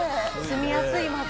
住みやすい町。